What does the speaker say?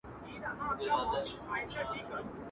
په یوه شېبه پر ملا باندي ماتېږې.